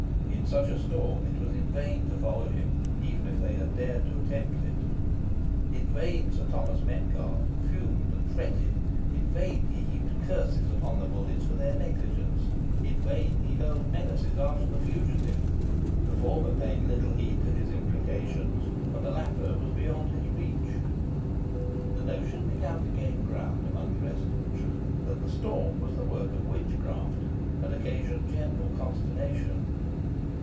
In such a storm it was in vain to follow him, even if they had dared to attempt it. In vain Sir Thomas Metcalfe fumed and fretted in vain he heaped curses upon the bullies for their negligence in vain he hurled menaces after the fugitive: the former paid little heed to his imprecations, and the latter was beyond his reach. The notion began to gain ground amongst the rest of the troop that the storm was the work of witchcraft, and occasioned general consternation.